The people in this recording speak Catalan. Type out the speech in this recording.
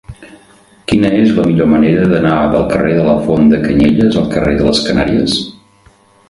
Quina és la millor manera d'anar del carrer de la Font de Canyelles al carrer de les Canàries?